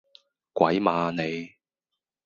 鬼馬呀你！